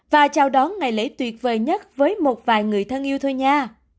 và chào đón ngày lễ tuyệt vời nhất với một vài người thân yêu thôi nha